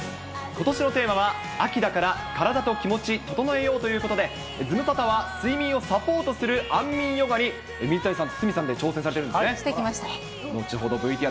ことしのテーマは、秋だから、カラダとキモチ整えようということで、ズムサタは睡眠をサポートする安眠ヨガに、水谷さんと鷲見さんで挑戦されてるんですよね。